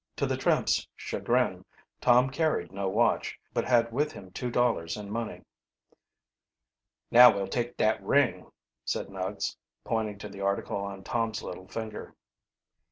To the tramps' chagrin Tom carried no watch, but had with him two dollars in money. "Now we'll take dat ring," said Nuggs, pointing to the article on Tom's little finger.